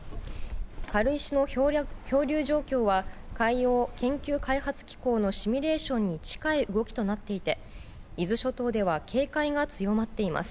軽石の漂流状況は海洋研究開発機構のシミュレーションに近い動きとなっていて伊豆諸島では警戒が強まっています。